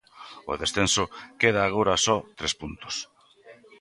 O descenso queda agora a só tres puntos.